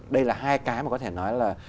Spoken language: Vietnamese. đây là hai cái mà có thể nói là